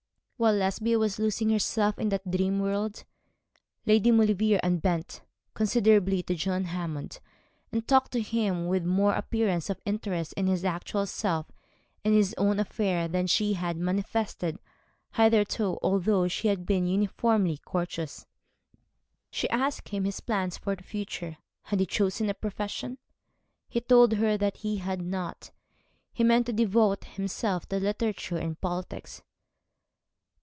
While Lesbia was losing herself in that dream world, Lady Maulevrier unbent considerably to John Hammond, and talked to him with more appearance of interest in his actual self, and in his own affairs, than she had manifested, hitherto although she had been uniformly courteous. She asked him his plans for the future had he chosen a profession? He told her that he had not. He meant to devote himself to literature and politics.